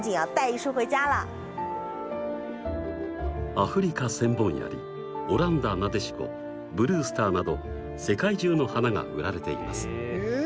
アフリカセンボンヤリオランダナデシコブルースターなど世界中の花が売られています。